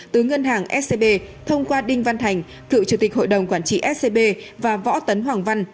từ ngân hàng scb thông qua đinh văn thành cựu chủ tịch hội đồng quản trị scb và võ tấn hoàng văn